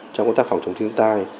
trong công tác phòng chống thiên tai